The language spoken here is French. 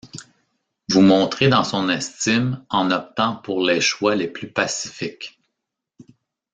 Vous monterez dans son estime en optant pour les choix les plus pacifiques.